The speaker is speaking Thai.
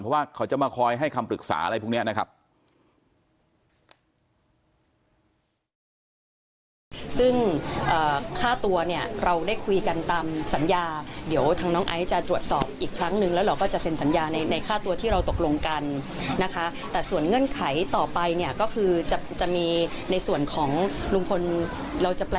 เพราะว่าเขาจะมาคอยให้คำปรึกษาอะไรพวกนี้นะครับ